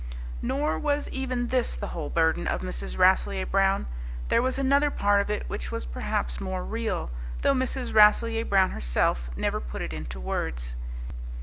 Nor was even this the whole burden of Mrs. Rasselyer Brown. There was another part of it which was perhaps more real, though Mrs. Rasselyer Brown herself never put it into words.